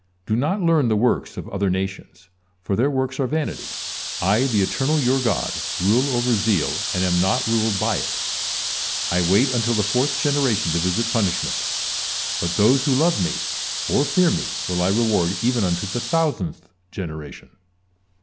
Do not learn the works of other nations, for their works are vanity. I, the Eternal, you God, rule over zeal and am not ruled by it; I wait until the fourth generation to visit punishment. But those who love Me, or fear Me, will I reward even unto the thousandth generation."